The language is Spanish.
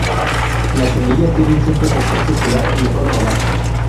Las semillas tienen siempre sección circular y forma oval.